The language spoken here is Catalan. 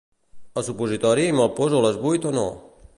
El supositori me'l poso a les vuit o no?